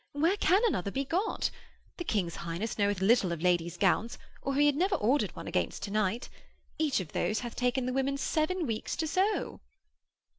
Where can another be got? The King's Highness knoweth little of ladies' gowns or he had never ordered one against to night. Each of those hath taken the women seven weeks to sew.'